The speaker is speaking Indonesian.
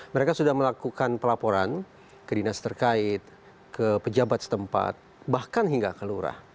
mereka sudah melakukan pelaporan ke dinas terkait ke pejabat setempat bahkan hingga ke lurah